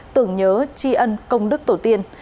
tưởng nhớ tri ân công đức tổ tiên